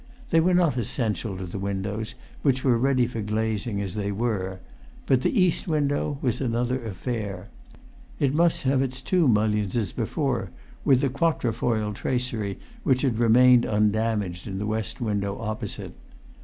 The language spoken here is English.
They were not essential to the windows, which were ready for glazing as they were. But the east window was[Pg 339] another affair. It must have its two mullions as before, with the quatrefoil tracery which had remained undamaged in the west window opposite.